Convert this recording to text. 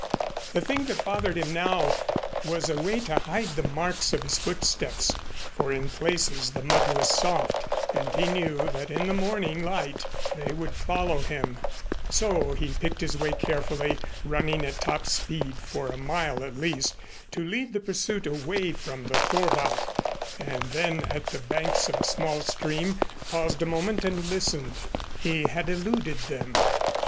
The thing that bothered him now was a way to hide the marks of his footsteps, for in places the mud was soft and he knew that in the morning light they would follow him; so he picked his way carefully, running at top speed for a mile at least, to lead the pursuit away from the Thorwald and then at the banks of a small stream paused a moment and listened. He had eluded them.